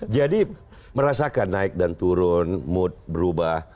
jadi merasakan naik dan turun mood berubah